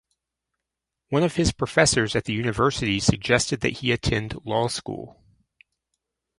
One of his professors at the university suggested that he attend law school.